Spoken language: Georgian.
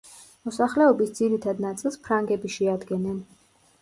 მოსახლეობის ძირითად ნაწილს ფრანგები შეადგენენ.